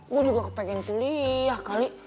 gue juga kepengen kuliah kali